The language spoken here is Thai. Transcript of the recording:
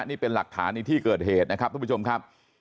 นี่เป็นหลักฐานในที่เกิดเหตุนะครับทุกผู้ชมครับ